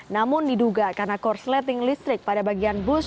namun diduga karena korsleting listrik pada bagian bus